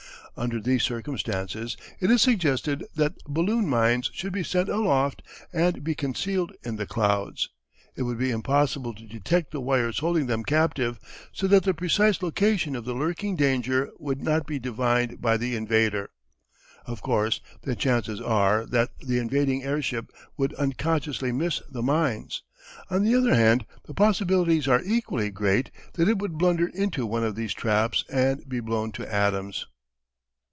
Under these circumstances it is suggested that balloon mines should be sent aloft and be concealed in the clouds. It would be impossible to detect the wires holding them captive, so that the precise location of the lurking danger would not be divined by the invader. Of course, the chances are that the invading airship would unconsciously miss the mines; on the other hand the possibilities are equally great that it would blunder into one of these traps and be blown to atoms.